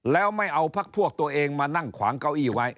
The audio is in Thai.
แล้วไม่เอาพักพวกตัวเองมานั่งขวางเก้าอี้ไว้